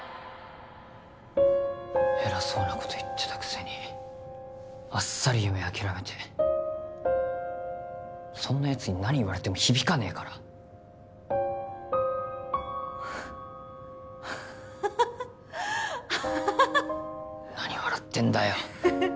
偉そうなこと言ってたくせにあっさり夢諦めてそんなやつに何言われても響かねえから何笑ってんだよ